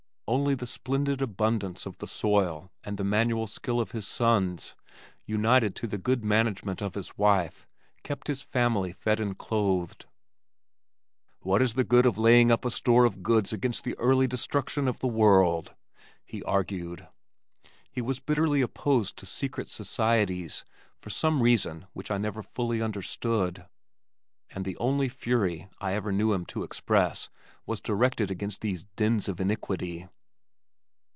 Only the splendid abundance of the soil and the manual skill of his sons, united to the good management of his wife, kept his family fed and clothed. "What is the use of laying up a store of goods against the early destruction of the world?" he argued. He was bitterly opposed to secret societies, for some reason which I never fully understood, and the only fury I ever knew him to express was directed against these "dens of iniquity."